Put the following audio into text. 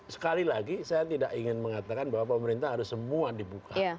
sekali lagi saya tidak ingin mengatakan bahwa pemerintah harus semua dibuka